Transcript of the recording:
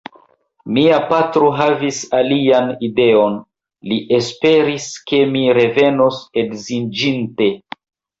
Mia patro havis alian ideon: li esperis, ke mi revenos edziĝinte.